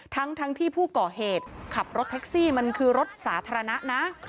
ทั้งที่ผู้ก่อเหตุขับรถแท็กซี่มันคือรถสาธารณะนะ